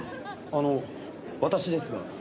あの私ですが。